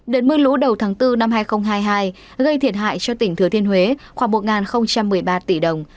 đợt mưa lũ đầu tháng bốn năm hai nghìn hai mươi hai gây thiệt hại cho tỉnh thừa thiên huế khoảng một một mươi ba tỷ đồng